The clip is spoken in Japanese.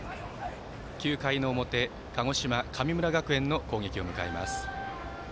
９回の表、鹿児島、神村学園の攻撃を迎えます。